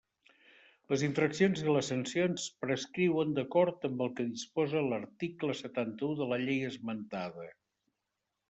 Les infraccions i les sancions prescriuen d'acord amb el que disposa l'article setanta-u de la Llei esmentada.